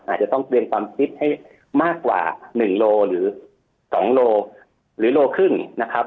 อาจจะต้องเตรียมความคิดให้มากกว่า๑โลหรือ๒โลหรือโลครึ่งนะครับ